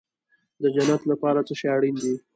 د جنت لپاره څه شی اړین دی؟